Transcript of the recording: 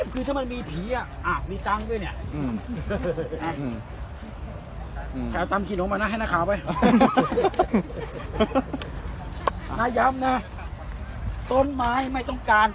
คือถ้ามันมีผีมีตังค์ด้วยเนี่ย